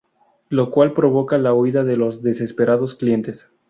Lo cual provoca la huida de los desesperados clientes.